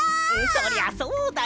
そりゃそうだよ！